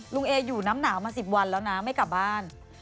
เออยู่น้ำหนาวมา๑๐วันแล้วนะไม่กลับบ้าน